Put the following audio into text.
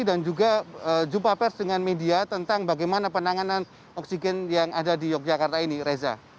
dan juga jumpa pers dengan media tentang bagaimana penanganan oksigen yang ada di yogyakarta ini reza